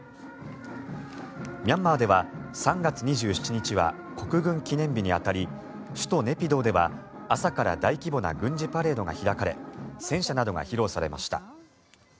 ミャンマーでは３月２７日は国軍記念日に当たり首都ネピドーでは朝から大規模な軍事パレードが開かれ戦車などが披露されました。